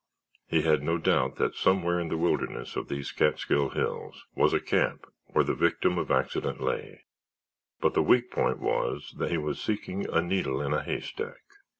He had no doubt that somewhere in the wilderness of these Catskill hills was a camp where the victim of accident lay, but the weak point was that he was seeking a needle in a haystack.